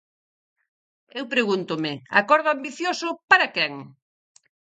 Eu pregúntome: acordo ambicioso, ¿para quen?